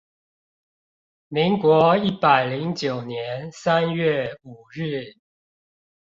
民國一百零九年三月五日